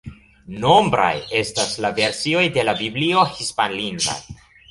Nombraj estas la versioj de la Biblio hispanlingvaj.